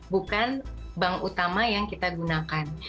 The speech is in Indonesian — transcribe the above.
bukan bank utama yang kita gunakan